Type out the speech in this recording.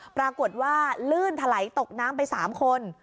ปรากฏว่าลื่นถลายตกน้ำไป๓คน